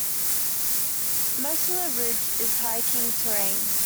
Most of the ridge is hiking terrain.